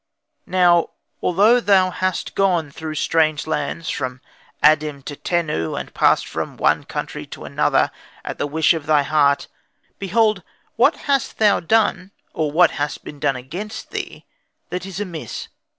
"Now, although thou hast gone through strange lands from Adim to Tenu, and passed from one country to another at the wish of thy heart behold, what hast thou done, or what has been done against thee, that is amiss?